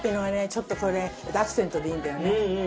ちょっとこれアクセントでいいんだよね。